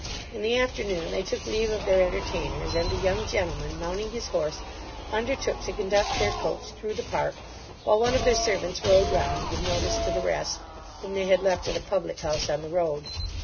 In the afternoon they took leave of their entertainers, and the young gentleman, mounting his horse, undertook to conduct their coach through the park, while one of their servants rode round to give notice to the rest, whom they had left at a public house on the road.